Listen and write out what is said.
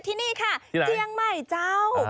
ที่นี่ค่ะเจียงใหม่เจ้า